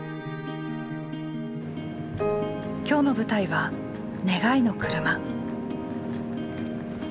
今日の舞台は「願いのくるま」。